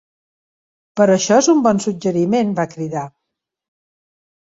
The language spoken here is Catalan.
"Però això és un bon suggeriment", va cridar.